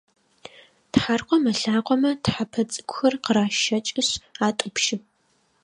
Тхьаркъом ылъакъомэ тхьэпэ цӏыкӏухэр къаращэкӏышъ атӏупщы.